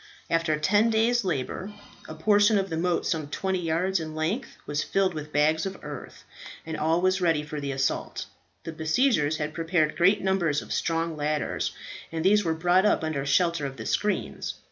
After ten days' labour, a portion of the moat some twenty yards in length was filled with bags of earth, and all was ready for the assault. The besiegers had prepared great numbers of strong ladders, and these were brought up under shelter of the screens.